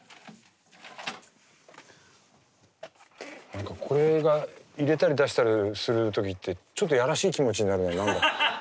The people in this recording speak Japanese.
何かこれが入れたり出したりする時ってちょっといやらしい気持ちになるのは何だろう。